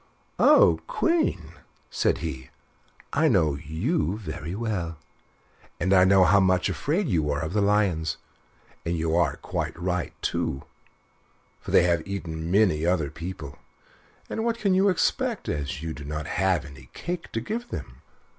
"Oh! Queen," said he, "I know you very well, and I know how much afraid you are of the lions; and you are quite right too, for they have eaten many other people: and what can you expect, as you have not any cake to give them?"